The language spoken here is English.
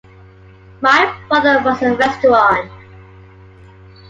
My father runs a restaurant.